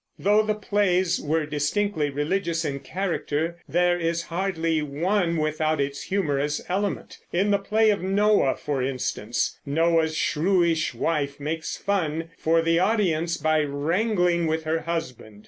Though the plays were distinctly religious in character, there is hardly one without its humorous element. In the play of Noah, for instance, Noah's shrewish wife makes fun for the audience by wrangling with her husband.